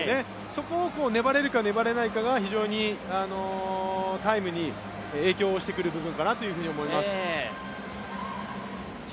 そこを粘れるか粘れないかが非常にタイムに影響してくる部分かなと思います。